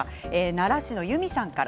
奈良市のゆみさんから。